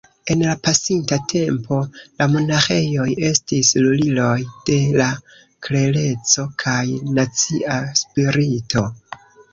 En la pasinta tempo, la monaĥejoj estis luliloj de la klereco kaj nacia spirito.